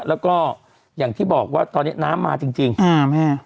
แล้วก็อย่างที่บอกว่าตอนนี้น้ำมาจริงจริงอ่าแม่